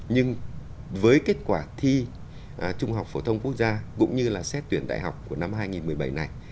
nhưng với kết quả thi trung học phổ thông quốc gia cũng như là xét tuyển đại học của năm hai nghìn một mươi bảy này